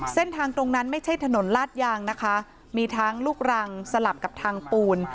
เส้นทางตรงนั้นไม่ใช่ถนนลาดยางนะคะมีทั้งลูกรังสลับกับทางปูน